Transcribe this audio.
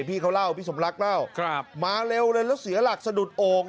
พี่เขาเล่าพี่สมรักเล่ามาเร็วเลยแล้วเสียหลักสะดุดโอ่ง